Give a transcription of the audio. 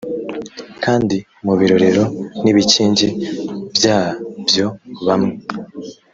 kandi mu birorero n ibikingi byabyo bamwe